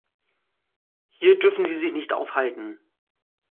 Hier dürfen Sie sich nicht aufhalten!